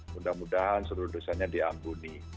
mudah mudahan seluruh dosanya diampuni